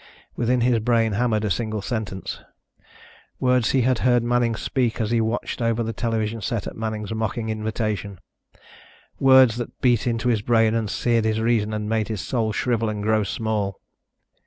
Within his brain hammered a single sentence. Words he had heard Manning speak as he watched over the television set at Manning's mocking invitation. Words that beat into his brain and seared his reason and made his soul shrivel and grow small.